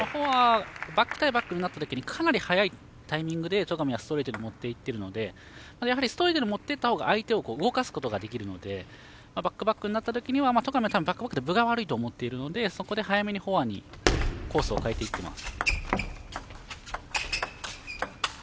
バック対バックになった時にかなり早いタイミングで戸上はストレートに持っていっているのでストレートに持っていった方が相手を動かすことができるのでバック、バックになった時には戸上はバック、バックだと分が悪いと思っているのでそこで早めにフォアにコースを変えていっています。